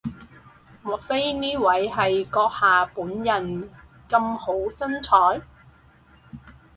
莫非呢位係閣下本人咁好身材？